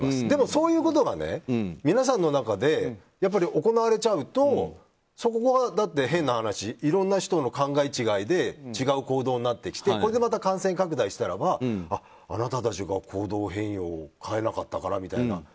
でも、そういうことが皆さんの中でやっぱり行われちゃうとそこが変な話いろんな人の考え違いで違う行動になってきてこれでまた感染拡大したならばあなたたちが行動変容を変えなかったからみたいな